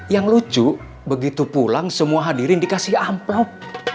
yang lucu begitu pulang semua hadirin dikasih amplop